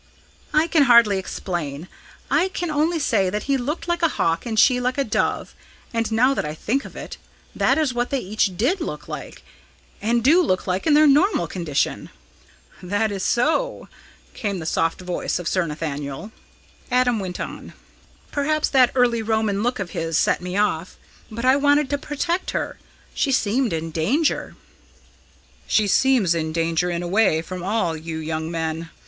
"I can hardly explain. I can only say that he looked like a hawk and she like a dove and, now that I think of it, that is what they each did look like; and do look like in their normal condition." "That is so!" came the soft voice of Sir Nathaniel. Adam went on: "Perhaps that early Roman look of his set me off. But I wanted to protect her; she seemed in danger." "She seems in danger, in a way, from all you young men.